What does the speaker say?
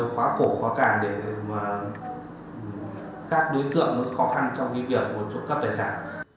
khóa cổ khóa càng để các đối tượng khó khăn trong việc trộm cắp tài sản